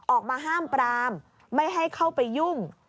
ออกมาห้ามปรามไม่ให้เข้าไปยุ่ง